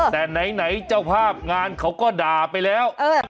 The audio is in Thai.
แต่ไหนเจ้าภาพงานเขาก็ด่าไปแล้ว